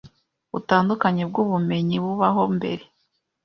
butandukanye bwubumenyi bubaho mbere